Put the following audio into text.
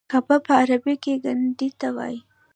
قبه په عربي کې ګنبدې ته وایي.